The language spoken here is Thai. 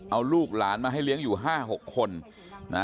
เอาลูกหลานมาให้เลี้ยงอยู่๕๖คนนะ